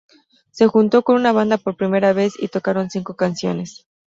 Se juntó con una banda por primera vez y tocaron cinco canciones.